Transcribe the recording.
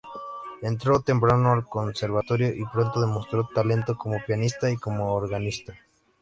Entró temprano al Conservatorio y pronto demostró talento como pianista y como organista.